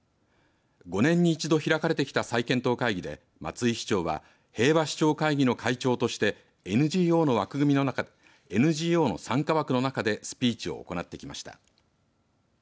５年に一度開かれてきた再検討会議で松井市長は平和首長会議の会長としてＮＧＯの参加枠の中でスピーチを行ってきました。